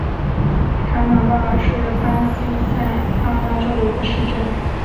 卡瑙巴尔是巴西塞阿拉州的一个市镇。